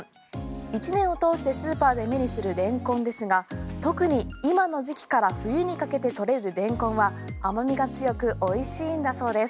１年を通してスーパーで目にするレンコンですが特に今の時期から冬にかけてとれるレンコンは甘みが強く美味しいんだそうです。